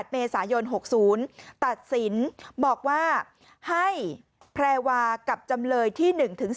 เมษายน๖๐ตัดสินบอกว่าให้แพรวากับจำเลยที่๑๔